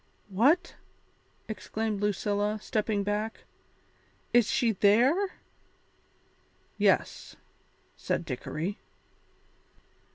"What!" exclaimed Lucilla, stepping back. "Is she there?" "Yes," said Dickory.